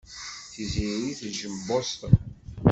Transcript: Tiziri tejjem Boston.